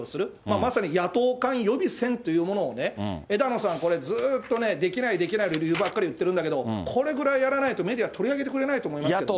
まさに野党間予備選というのをね、枝野さん、これ、ずっとね、できないできないって理由ばっかり言ってるんですけど、これぐらいやらないと、メディア取り上げてくれないと思いますけどね。